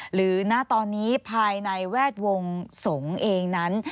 ณตอนนี้ภายในแวดวงสงฆ์เองนั้น